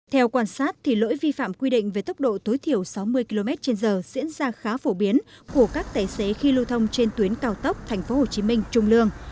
theo quan sát lỗi vi phạm quy định về tốc độ tối thiểu sáu mươi km trên giờ diễn ra khá phổ biến của các tài xế khi lưu thông trên tuyến cao tốc tp hcm trung lương